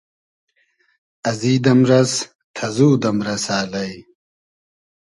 ازی دئمرئس تئزو دئمرئسۂ الݷ